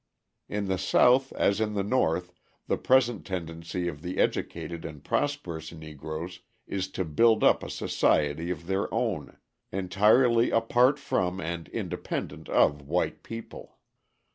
In the South, as in the North, the present tendency of the educated and prosperous Negroes is to build up a society of their own, entirely apart from and independent of white people.